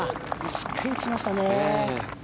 しっかり打ちましたね。